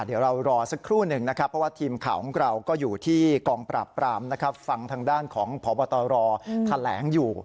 เดี๋ยวเรารอสักครู่หนึ่งนะครับเพราะว่าทีมข่าวของเราก็อยู่ที่กองปราบปรามนะครับฟังทางด้านของพบตรแถลงอยู่